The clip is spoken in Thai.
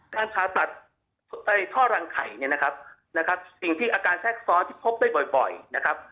การผ่าตัดท่อรังไข่เนี่ยนะครับสิ่งที่อาการแทรกซ้อนที่พบได้บ่อยนะครับ